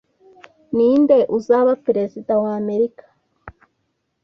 Ninde uzaba perezida wa Amerika